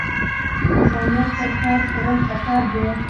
انسانیت ته کار کړل پکار دے